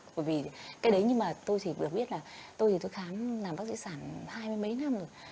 bởi vì cái đấy nhưng mà tôi chỉ được biết là tôi thì tôi khám làm bác sĩ sản hai mươi mấy năm rồi